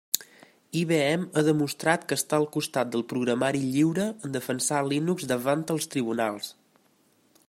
IBM ha demostrat que està al costat del programari lliure en defensar Linux davant els tribunals.